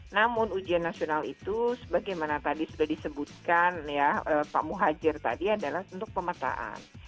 namun ujian nasional itu sebagaimana tadi sudah disebutkan ya pak muhajir tadi adalah untuk pemetaan